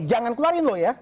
jangan keluarin loh ya